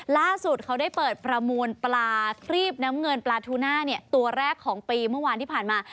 ล่าสุดเขาได้เปิดประมูลปลาครีบน้ำเงินปลาทูน่าตัวแรกของปีเมื่อวานที่ผ่านมา